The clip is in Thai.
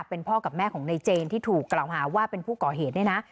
เป็นพ่อกับแม่ของในเจนที่ถูกกล่าวหาว่าเป็นผู้ก่อเหตุเนี่ยนะ